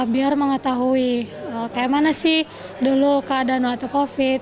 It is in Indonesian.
biar mengetahui kayak mana sih dulu keadaan waktu covid